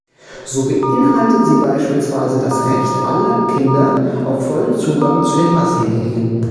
So beinhaltet sie beispielsweise das Recht aller Kinder auf vollen Zugang zu den Massenmedien.